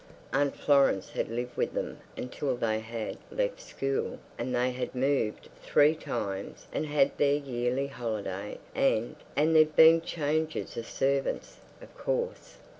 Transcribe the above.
Aunt Florence had lived with them until they had left school, and they had moved three times and had their yearly holiday and... and there'd been changes of servants, of course.